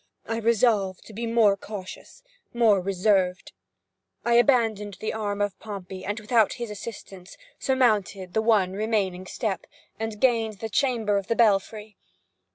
I resolved to be more cautious, more reserved. I abandoned the arm of Pompey, and, without his assistance, surmounted the one remaining step, and gained the chamber of the belfry.